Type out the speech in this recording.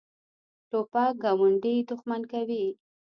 توپک ګاونډي دښمن کوي.